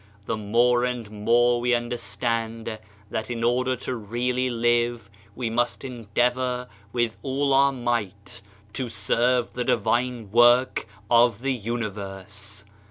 The more and more we under stand that in order to really live, we must endeavour with all our might to serve the divine work of the universe